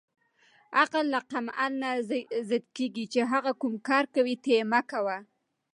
عقل له قمعل نه زدکیږی چی هغه کوم کار کوی ته یی مه کوه